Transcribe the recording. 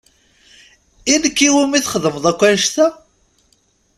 I nekk i wumi txedmeḍ akk annect-a?